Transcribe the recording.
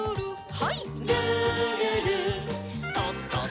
はい。